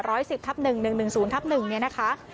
สิบทับหนึ่งหนึ่งหนึ่งศูนย์ทับหนึ่งเนี่ยนะคะ